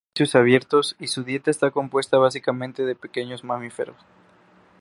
Habita espacios abiertos y su dieta está compuesta básicamente de pequeños mamíferos.